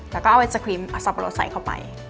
แล้วก็เอาไอศครีมเอาสับปะรดใส่เข้าไป